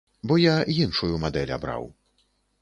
Бо я іншую мадэль абраў.